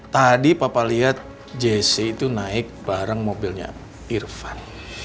tadi papa lihat jessy itu naik bareng mobilnya irfan